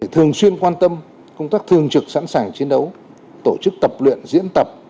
thường xuyên quan tâm công tác thường trực sẵn sàng chiến đấu tổ chức tập luyện diễn tập